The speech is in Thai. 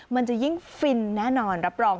มันจะยิ่งฟินแน่นอนรับรอง